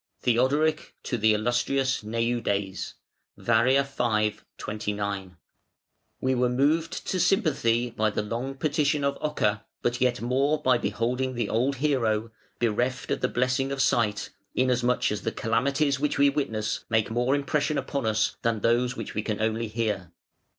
"THEODORIC to the Illustrious Neudes. (Var., v., 29.) "We were moved to sympathy by the long petition of Ocer but yet more by beholding the old hero, bereft of the blessing of sight, inasmuch as the calamities which we witness make more impression upon us than those of which we only hear.